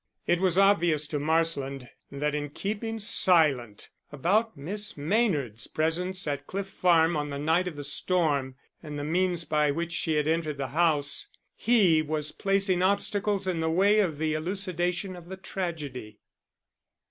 It was obvious to Marsland that in keeping silent about Miss Maynard's presence at Cliff Farm on the night of the storm, and the means by which she had entered the house, he was placing obstacles in the way of the elucidation of the tragedy.